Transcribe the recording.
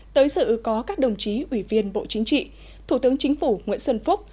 tới sự có các đồng chí ủy viên bộ chính trị thủ tướng chính phủ nguyễn xuân phúc